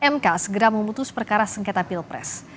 mk segera memutus perkara sengketa pilpres